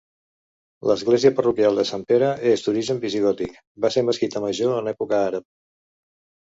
L'església parroquial de Sant Pere és d'origen visigòtic, va ser mesquita major en època àrab.